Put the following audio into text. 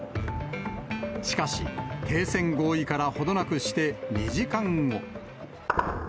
しかし、停戦合意から程なくして２時間後。